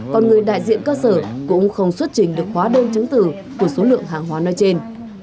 còn người đại diện cơ sở cũng không xuất trình được khóa đơn chứng từ của số lượng hàng hóa nói trên